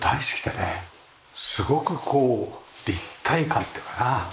すごくこう立体感っていうかな。